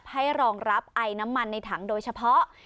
รองรับไอน้ำมันในถังโดยเฉพาะ